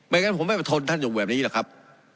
ไม่งั้นผมไม่ทนท่านอยู่แบบนี้แหละครับ